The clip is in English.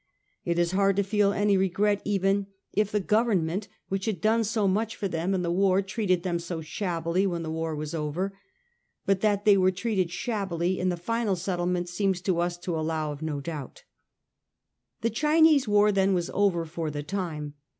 It is hard to feel any regret even if the Government which had done so much for them in the war treated them so shabbily when the war was over ; but that they were treated shabbily in the final settlement seems to us to allow of no doubt. The Chinese war then was over for the time.